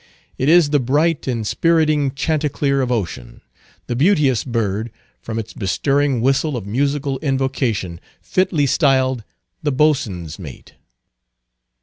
It is the bright, inspiriting chanticleer of ocean, the beauteous bird, from its bestirring whistle of musical invocation, fitly styled the "Boatswain's Mate."